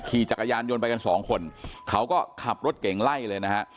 ขี่จักรยานยนต์ไปกันสองคนเขาก็ขับรถเก่งไล่เลยนะฮะ